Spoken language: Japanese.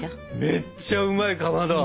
めっちゃうまいかまど。